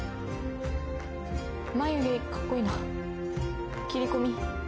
まゆ毛かっこいいな切り込み。